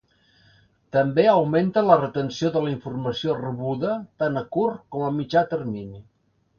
També augmenta la retenció de la informació rebuda tant a curt com a mitjà termini.